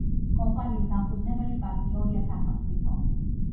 კომპანიის დამფუძნებელი პარტნიორია სახელმწიფო.